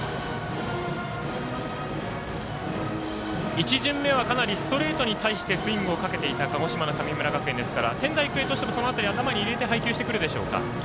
１巡目はかなりストレートに対してスイングをかけていた鹿児島の神村学園ですから仙台育英としてもその辺り頭に入れて配球してくるでしょうか。